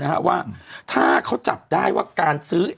เป็นการกระตุ้นการไหลเวียนของเลือด